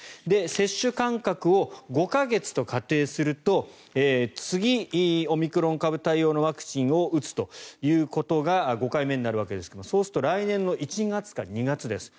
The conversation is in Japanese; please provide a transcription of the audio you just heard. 接種間隔を５か月と仮定すると次、オミクロン株対応のワクチンを打つということが５回目になるわけですがそうすると来年１月か２月です。